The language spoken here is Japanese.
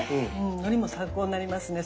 のりも参考になりますね。